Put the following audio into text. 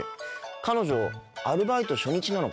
彼女アルバイト初日なのかな。